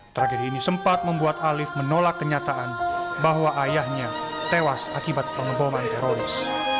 tragedi ini sempat membuat alif menolak kenyataan bahwa ayahnya tewas akibat pengeboman teroris